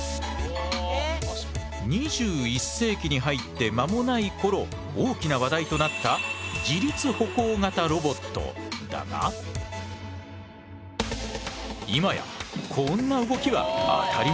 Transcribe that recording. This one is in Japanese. ２１世紀に入って間もない頃大きな話題となった今やこんな動きは当たり前。